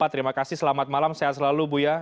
terima kasih selamat malam sehat selalu buya